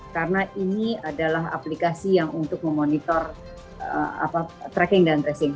karena ini adalah aplikasi yang untuk memonitor tracking dan tracing